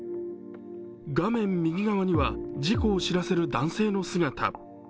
画面右側には事故を知らせる男性の姿。